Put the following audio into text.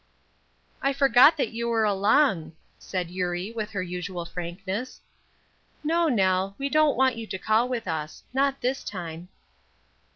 "I forgot that you were along," said Eurie, with her usual frankness. "No, Nell, we don't want you to call with us; not this time."